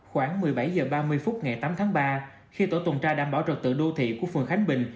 khoảng một mươi bảy h ba mươi phút ngày tám tháng ba khi tổ tuần tra đảm bảo trật tự đô thị của phường khánh bình